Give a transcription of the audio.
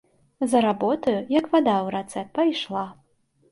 За работаю, як вада ў рацэ, пайшла.